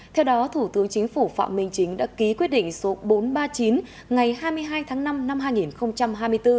theo đó thủ tướng chính phủ phạm minh chính đã ký quyết định số bốn trăm ba mươi chín ngày hai mươi hai tháng năm năm hai nghìn hai mươi bốn